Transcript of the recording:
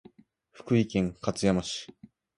福井県勝山市